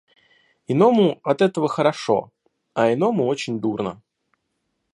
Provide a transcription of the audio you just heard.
Иному от этого хорошо, а иному очень дурно.